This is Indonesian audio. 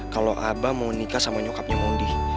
kalau abah mau nikah sama nyokapnya mondi